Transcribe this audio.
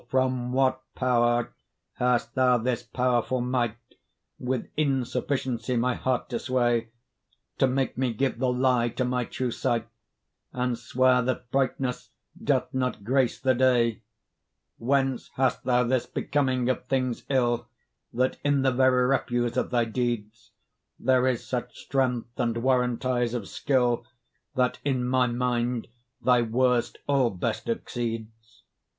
from what power hast thou this powerful might, With insufficiency my heart to sway? To make me give the lie to my true sight, And swear that brightness doth not grace the day? Whence hast thou this becoming of things ill, That in the very refuse of thy deeds There is such strength and warrantise of skill, That, in my mind, thy worst all best exceeds?